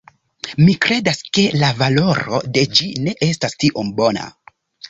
Mi kredas, ke la valoro de ĝi ne estas tiom bona